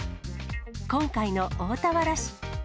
今回の大田原市。